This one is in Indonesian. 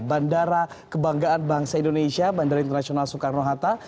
bandara kebanggaan bangsa indonesia bandara internasional soekarno hatta